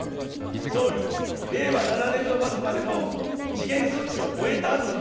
総理、令和７年度末までの時限措置を終えたあとの、